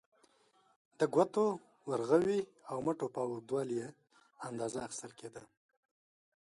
د ګوتو، ورغوي او مټو په اوږدوالي یې اندازه اخیستل کېده.